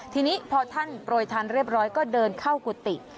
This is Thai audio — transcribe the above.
ทีนี้พอท่านโปรยทานเรียบร้อยก็เดินเข้ากุฏิ